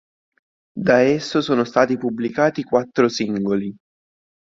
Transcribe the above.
Da esso sono stati pubblicati quattro singoli.